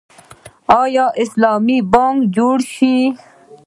آیا اسلامي بانک جوړ شو؟